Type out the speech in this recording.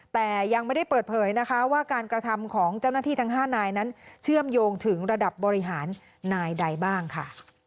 แต่ยังไม่ได้เปิดเผยนะคะว่าการกระทำของเจ้าหน้าที่ทั้ง๕นายนั้นเชื่อมโยงถึงระดับบริหารนายใดบ้างค่ะ